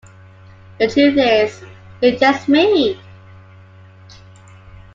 The truth is, it's just me.